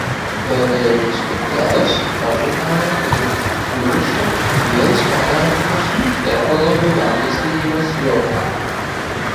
Pēdējos gados ražotāji ir guvuši lielus panākumus tehnoloģiju attīstības jomā.